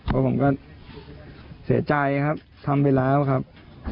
เพราะผมก็เสียใจครับทำไปแล้วครับ